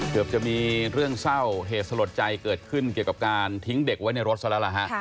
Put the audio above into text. เกือบจะมีเรื่องเศร้าเหตุสลดใจเกิดขึ้นเกี่ยวกับการทิ้งเด็กไว้ในรถซะแล้วล่ะฮะ